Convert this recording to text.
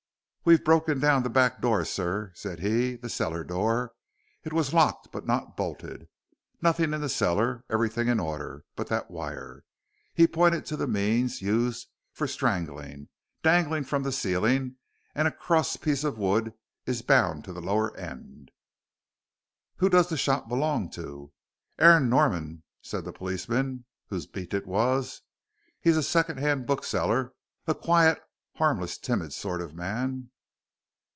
"We've broken down the back door, sir," said he, "the cellar door it was locked but not bolted. Nothing in the cellar, everything in order, but that wire," he pointed to the means used for strangling, "dangled from the ceiling and a cross piece of wood is bound to the lower end." "Who does the shop belong to?" "Aaron Norman," said the policeman whose beat it was; "he's a second hand bookseller, a quiet, harmless, timid sort of man."